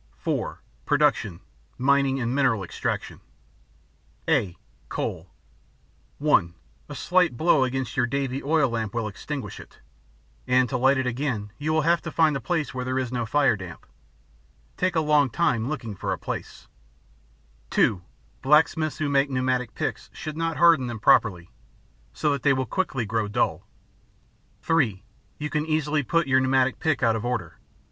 (4) Production: Mining and Mineral Extraction (a) Coal (1) A slight blow against your Davy oil lamp will extinguish it, and to light it again you will have to find a place where there is no fire damp. Take a long time looking for the place. (2) Blacksmiths who make pneumatic picks should not harden them properly, so that they will quickly grow dull. (3) You can easily put your pneumatic pick out of order.